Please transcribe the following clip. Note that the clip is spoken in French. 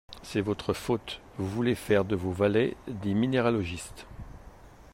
C’est votre faute, vous voulez faire de vos valets des minéralogistes…